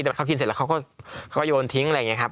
แต่เขากินเสร็จแล้วเขาก็โยนทิ้งอะไรอย่างนี้ครับ